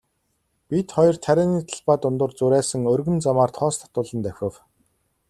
Бид хоёр тарианы талбай дундуур зурайсан өргөн замаар тоос татуулан давхив.